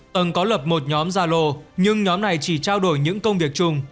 tầng có lập một nhóm gia lô nhưng nhóm này chỉ trao đổi những công việc chung